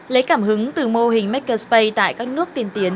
lấy cảm hứng từ mô hình makerspace tại các nước châu âu